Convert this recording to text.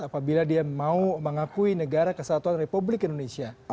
apabila dia mau mengakui negara kesatuan republik indonesia